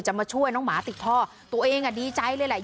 มาช่วยน้องหมาติดท่อตัวเองอ่ะดีใจเลยแหละ